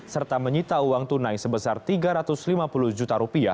serta menyita uang tunai sebesar rp tiga ratus lima puluh juta